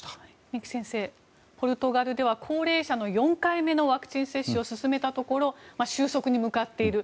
二木先生、ポルトガルでは高齢者の４回目のワクチン接種を進めたところ収束に向かっている。